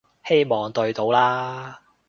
希望對到啦